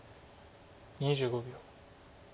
２５秒。